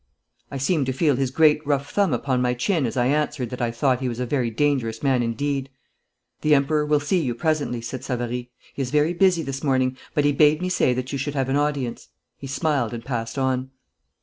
I seemed to feel his great rough thumb upon my chin as I answered that I thought he was a very dangerous man indeed. 'The Emperor will see you presently,' said Savary. 'He is very busy this morning, but he bade me say that you should have an audience.' He smiled and passed on.